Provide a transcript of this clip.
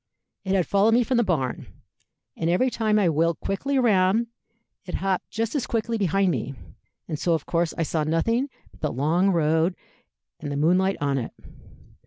It had followed me from the barn, and every time I wheeled quickly round, it hopped just as quickly behind me, and so of course I saw nothing but the long road and the moonlight on it.